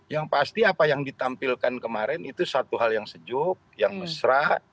yang pasti apa yang ditampilkan kemarin itu satu hal yang sejuk yang mesra